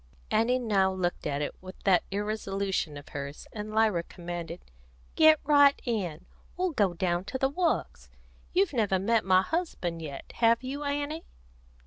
Annie now looked at it with that irresolution of hers, and Lyra commanded: "Get right in. We'll go down to the Works. You've never met my husband yet; have you, Annie?"